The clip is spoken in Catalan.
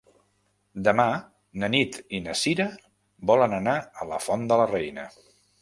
Demà na Nit i na Cira volen anar a la Font de la Reina.